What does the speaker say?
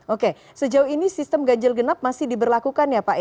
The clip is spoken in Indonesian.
oke sejauh ini sistem ganjil genap masih diberlakukan ya pak